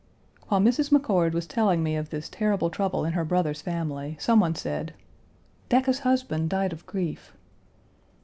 While Mrs. McCord was telling me of this terrible trouble in her brother's family, some one said: "Decca's husband died of grief."